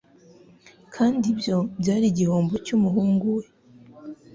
Kandi ibyo byari igihombo cy'umuhungu we